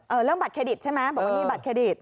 เรื่องบัตรเครดิตใช่ไหมบอกว่านี่บัตรเครดิต